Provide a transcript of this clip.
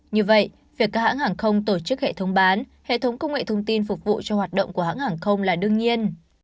như vậy việc các hãng hàng không tổ chức hệ thống bán hệ thống công nghệ thông tin phục vụ cho hoạt động của hãng hàng không là đương nhiên